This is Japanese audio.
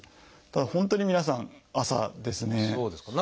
ただ本当に皆さん朝ですね。